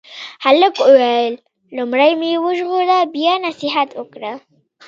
هلک وویل لومړی مې وژغوره بیا نصیحت وکړه.